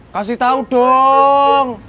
kasih tau dong